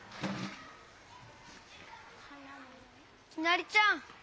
きなりちゃん